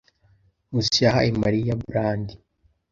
Nkusi yahaye Mariya brandi.